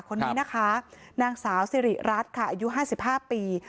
คนนี้นะคะนางสาวสิริรัตน์ค่ะอายุ๕๕ปี